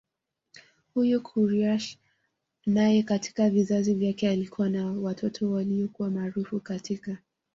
Huyu Quraysh naye katika vizazi vyake alikuwa na watoto waliyokuwa maaraufu katika